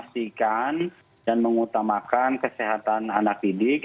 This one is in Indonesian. memastikan dan mengutamakan kesehatan anak didik